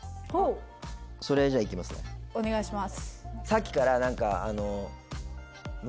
お願いします